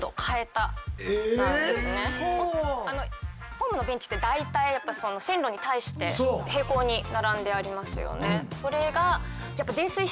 ホームのベンチって大体線路に対して平行に並んでありますよね。